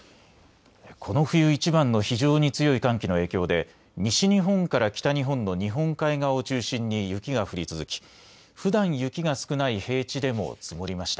この冬いちばんの非常に強い寒気の影響で西日本から北日本の日本海側を中心に雪が降り続きふだん雪が少ない平地でも積もりました。